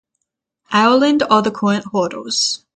Ireland are the current holders.